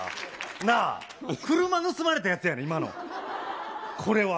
なあ、車盗まれたやつやで、今の、これは。